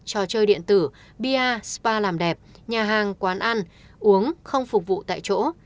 trò chơi điện tử bia spa làm đẹp nhà hàng quán ăn uống không phục vụ tại chỗ